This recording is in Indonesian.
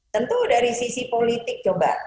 tentu dari sisi politik coba